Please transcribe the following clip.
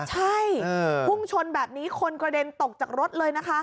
ใช่พุ่งชนแบบนี้คนกระเด็นตกจากรถเลยนะคะ